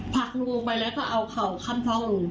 ผักลงไปแล้วก็เอาเข่าค่ำท้อง